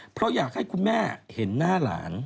เพราะอยากให้คุณแม่เห็นหน้าหลาน